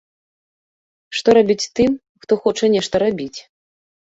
Што рабіць тым, хто хоча нешта рабіць?